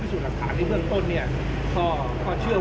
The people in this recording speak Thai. และจะมีการตั้งคณะกรรมการสอบสวนเหตุที่เกิดขึ้น